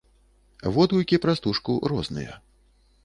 Водгукі пра стужку розныя.